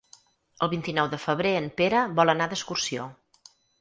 El vint-i-nou de febrer en Pere vol anar d'excursió.